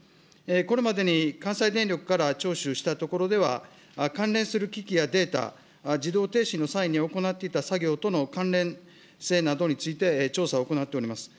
これまでに関西電力からちょうしゅしたところでは関連する機器やデータ、自動停止の際に行っていた作業との関連性などについて、調査を行っております。